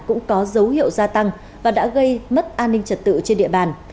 tổ gia tăng và đã gây mất an ninh trật tự trên địa bàn